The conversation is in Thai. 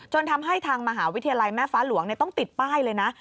ทำให้ทางมหาวิทยาลัยแม่ฟ้าหลวงต้องติดป้ายเลยนะ